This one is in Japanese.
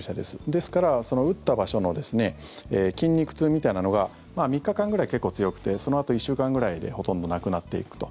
ですから打った場所の筋肉痛みたいなのが３日間ぐらい結構強くてそのあと１週間ぐらいでほとんどなくなっていくと。